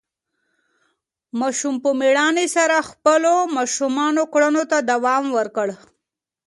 ماشوم په مېړانې سره خپلو ماشومانه کړنو ته دوام ورکړ.